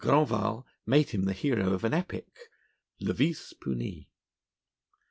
Grandval made him the hero of an epic 'Le Vice Puni.'